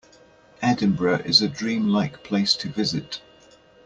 Edinburgh is a dream-like place to visit.